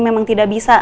memang tidak bisa